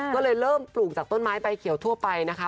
ก็เลยเริ่มปลูกจากต้นไม้ใบเขียวทั่วไปนะคะ